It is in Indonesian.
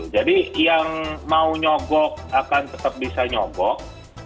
jadi yang mau nyogok akan tetap bisa nyogok